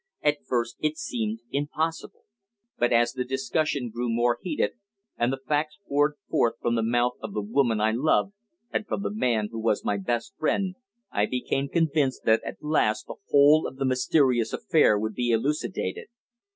At first it seemed impossible; but as the discussion grew more heated, and the facts poured forth from the mouth of the woman I loved, and from the man who was my best friend, I became convinced that at last the whole of the mysterious affair would be elucidated.